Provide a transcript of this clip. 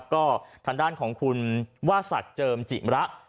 ก็ทางด้านของคุณวาสัจเจิมจิ๋มระ